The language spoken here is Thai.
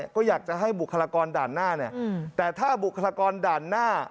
ก็อยากจะให้บุคลากรด่านหน้าเนี่ยแต่ถ้าบุคลากรด่านหน้า